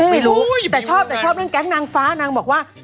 ไม่รู้แต่ชอบเนื้อแก๊กนางฟ้านางบอกว่า